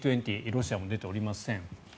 ロシアも出ておりません。